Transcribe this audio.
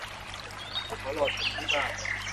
พวกเขารอฉันอยู่ที่บ้าน